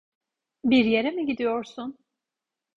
Bir yere mi gidiyorsun?